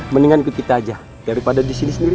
mendingan ikut kita aja daripada di sini sendiri ya